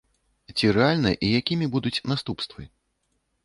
Ці рэальна і якімі будуць наступствы?